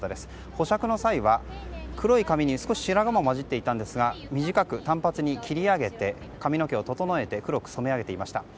保釈の際は、黒い髪に少し白髪が混じっていたんですが短く、短髪に切り上げて髪の毛を整えて黒く染め上げていました。